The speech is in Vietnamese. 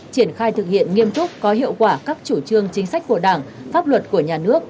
triển khai thực hiện nghiêm túc có hiệu quả các chủ trương chính sách của đảng pháp luật của nhà nước